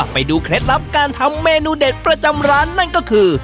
เคล็ดลับการทำเมนูเด็ดประจำร้านนั่นก็คือ